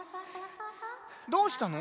どうしたの？